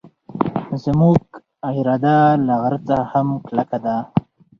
زموږ اراده له غره څخه هم کلکه ده.